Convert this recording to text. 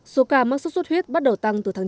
số ca mắc sốt xuất huyết bắt đầu tăng từ tháng chín